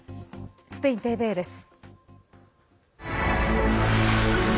スペインＴＶＥです。